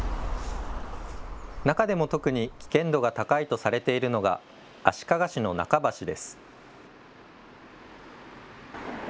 中でも特に危険度が高いとされているのが足利市の中橋です。